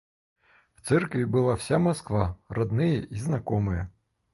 В церкви была вся Москва, родные и знакомые.